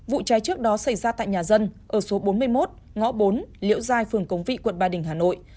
vụ cháy trước đó xảy ra tại nhà dân ở số bốn mươi một ngõ bốn liễu giai phường công vị quận ba đình hà nội